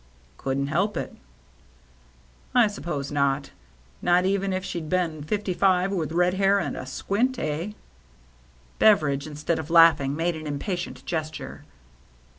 " Couldn't help it." " I suppose not. Not even if she'd been fifty five, with red hair and a squint, eh ?" Beveridge, instead of laughing, made an im patient gesture.